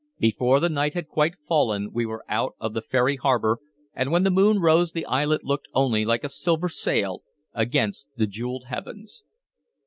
Before the night had quite fallen we were out of the fairy harbor, and when the moon rose the islet looked only a silver sail against the jeweled heavens.